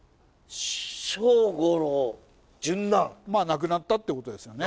亡くなったってことですよね。